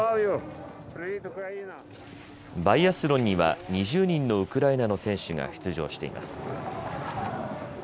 バイアスロンには２０人のウクライナの選手が出場しています。